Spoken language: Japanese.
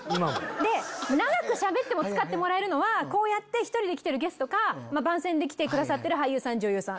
で長くしゃべっても使ってもらえるのはこうやって１人で来てるゲストか番宣で来てる俳優さん女優さん。